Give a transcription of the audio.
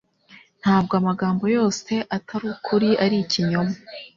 Ntabwo amagambo yose atari ukuri ari ikinyoma.